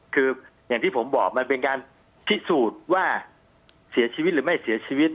คืออย่างที่ผมบอกมันเป็นการพิสูจน์ว่าเสียชีวิตหรือไม่เสียชีวิต